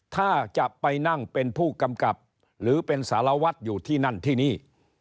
ถ้าจะไปนั่งเป็นภูกรรมกรรมหรือเป็นสารวัสดิ์อยู่ที่นั่นที่นี้